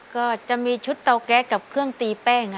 ก็จะมีชุดเตาแก๊สกับเครื่องตีแป้ง